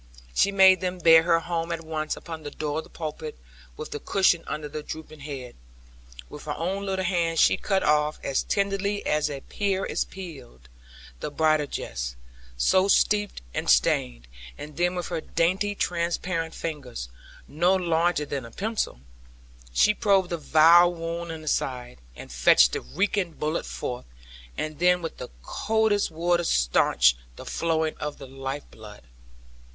She made them bear her home at once upon the door of the pulpit, with the cushion under the drooping head. With her own little hands she cut off, as tenderly as a pear is peeled, the bridal dress, so steeped and stained, and then with her dainty transparent fingers (no larger than a pencil) she probed the vile wound in the side, and fetched the reeking bullet forth; and then with the coldest water stanched the flowing of the life blood.